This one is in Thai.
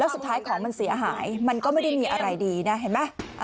สุดท้ายของมันเสียหายมันก็ไม่ได้มีอะไรดีนะเห็นไหม